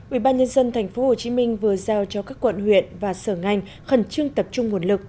ủy ban nhân dân tp hcm vừa giao cho các quận huyện và sở ngành khẩn trương tập trung nguồn lực